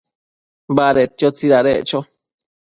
Badedquio tsidadeccho